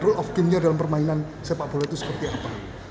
rule of game nya dalam permainan sepak bola itu seperti apa